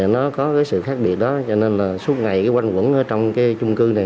nó có sự khác biệt đó cho nên suốt ngày quanh quẩn trong chung cư này